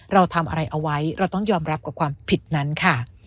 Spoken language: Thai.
เราทำอะไรเอาไว้เราต้องยอมรับกับความผิดนั้นค่ะ